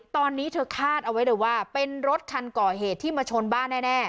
ตอนนี้เธอคาดเอาไว้เลยว่าเป็นรถคันก่อเหตุที่มาชนบ้านแน่